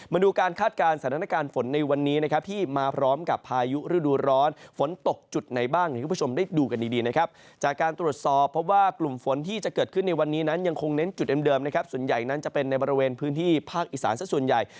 มาดูการคาดการณ์สถานการณ์ฝนในวันนี้มาพร้อมกับ